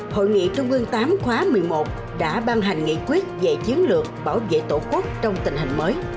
hội nghị trung ương viii khóa một mươi một đã ban hành nghị quyết về chiến lược bảo vệ tổ quốc trong tình hình mới